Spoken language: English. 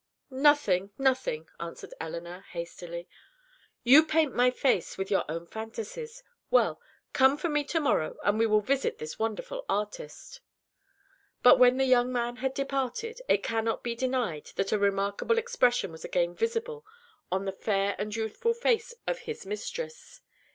"Nothing, nothing," answered Elinor, hastily. "You paint my face with your own fantasies. Well, come for me to morrow, and we will visit this wonderful artist." But when the young man had departed, it cannot be denied that a remarkable expression was again visible on the fair and youthful face of his mistress.